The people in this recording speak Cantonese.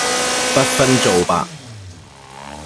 不分皂白